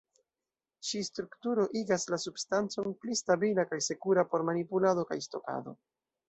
Ĉi-strukturo igas la substancon pli stabila kaj sekura por manipulado kaj stokado.